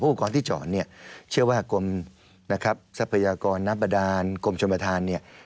เพราะอุปกรณ์ที่เจาะเชื้อวหากรมทรัพยากรน้ำบดานกรมชมฐาน